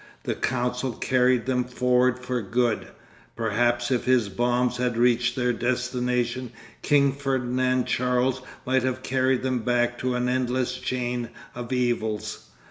The council carried them forward for good; perhaps if his bombs had reached their destination King Ferdinand Charles might have carried them back to an endless chain of evils.